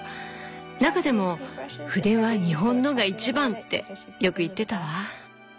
中でも「筆は日本のが一番」ってよく言ってたわ。